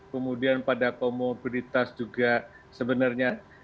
kemudian pada komoditas juga sebenarnya